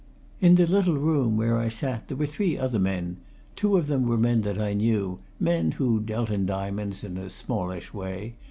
In the little room where I sat there were three other men two of them were men that I knew, men who dealt in diamonds in a smallish way.